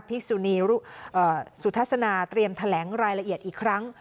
สุนีสุทัศนาเตรียมแถลงรายละเอียดอีกครั้ง